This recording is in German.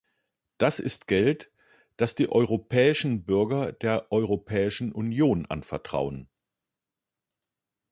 Das ist Geld, das die europäischen Bürger der Europäischen Union anvertrauen.